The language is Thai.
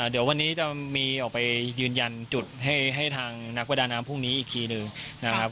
เดี๋ยววันนี้จะมีออกไปยืนยันจุดให้ทางนักประดาน้ำพรุ่งนี้อีกทีหนึ่งนะครับ